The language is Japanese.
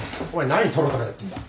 何トロトロやってんだ。